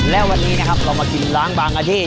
และวันนี้นะครับเรามากินล้างบางกะทิ